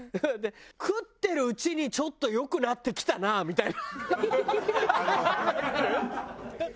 食ってるうちにちょっと良くなってきたなみたいな。